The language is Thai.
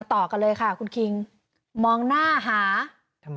มาต่อกันเลยค่ะคุณคิงมองหน้าครับ